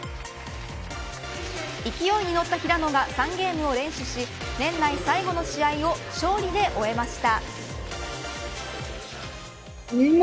勢いに乗った平野が３ゲームを連取し年内最後の試合を勝利で終えました。